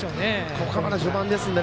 ここはまだ序盤ですので。